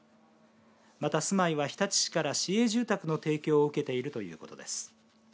また、住まいは日立市から市営住宅の提供を受けているということです。